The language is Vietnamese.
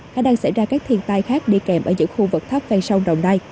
khả năng xảy ra các thiên tai khác đi kèm ở những khu vực thấp ven sông đồng nai